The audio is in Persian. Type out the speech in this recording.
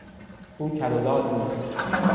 او کر و لال بود.